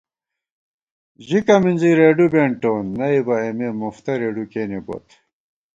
ژِکہ مِنزی رېڈُو بېنٹون نئیبہ اېمے مُفتہ رېڈُو کېنےبوت